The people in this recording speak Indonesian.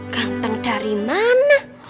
ganteng dari mana